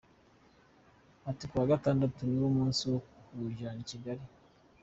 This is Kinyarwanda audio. Ati “Kuwa Gatandatu ni wo munsi wo kuwujyana i Kigali.”